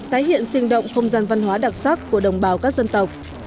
tái hiện sinh động không gian văn hóa đặc sắc của đồng bào các dân tộc